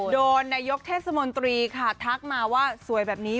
นายกเทศมนตรีค่ะทักมาว่าสวยแบบนี้